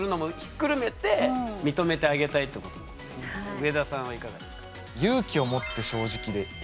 上田さんはいかがですか？